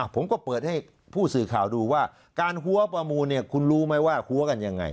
ผมก็เปิดให้ผู้สื่อข่าวดูว่าการหัวประมูลคุณรู้ไหมว่าหัวกันยังไง